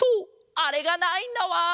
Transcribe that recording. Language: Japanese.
あれがないんだわん！